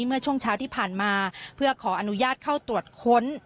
เมื่อช่วงเช้าที่ผ่านมาเพื่อขออนุญาตเข้าตรวจค้น